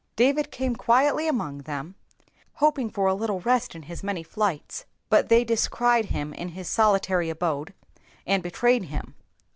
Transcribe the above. David came quietly among them, hoping for a little rest in his many flights, but they descried him in Ms solilary abode, and betrayed him.